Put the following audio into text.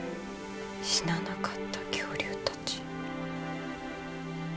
死ななかった恐竜たち。